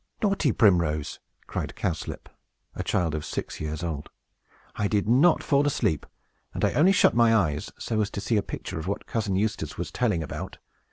"Naughty Primrose," cried Cowslip, a child of six years old; "I did not fall asleep, and I only shut my eyes, so as to see a picture of what Cousin Eustace was telling about.